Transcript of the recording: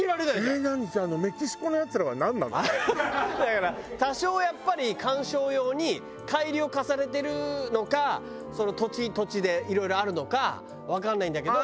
じゃああのメキシコのやつらはなんなの？だから多少やっぱり観賞用に改良を重ねてるのかその土地土地でいろいろあるのかわからないんだけど。